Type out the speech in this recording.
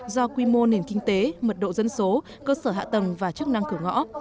do quy mô nền kinh tế mật độ dân số cơ sở hạ tầng và chức năng cửa ngõ